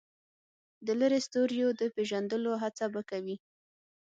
د لرې ستوریو د پېژندلو هڅه به کوي.